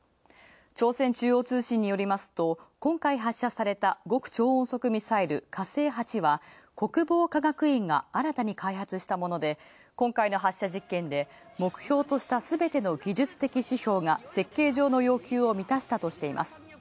朝鮮中央通信によりますと今回発射された極超音速ミサイル、火星８は、国防科学院が新たに開発したもので、今回の発射実験で目標としたすべての技術的指標が設計上の要求を満たしたとしています。